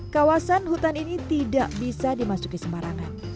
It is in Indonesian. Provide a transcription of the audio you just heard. kawasan hutan ini tidak bisa dimasuki semarangan